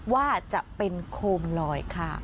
ว่าจะเป็นโคมลอยค่ะ